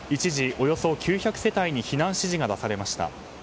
およそ９００世帯に避難指示が出されました。